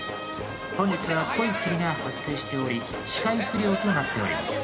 本日は濃い霧が発生しており視界不良となっております。